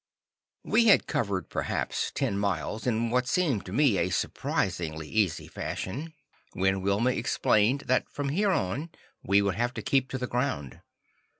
We had covered perhaps ten miles, in what still seemed to me a surprisingly easy fashion, when Wilma explained, that from here on we would have to keep to the ground.